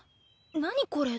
何これ？